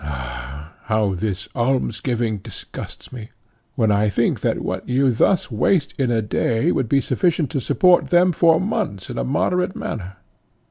Ha! how this alms giving disgusts me, when I think that what you thus waste in a day would be sufficient to support them for months in a moderate manner.